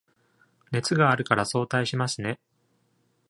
熱があるから早退しますね